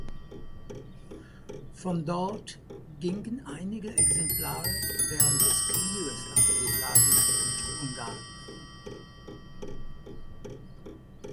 Von dort gingen einige Exemplare während des Krieges nach Jugoslawien und Ungarn.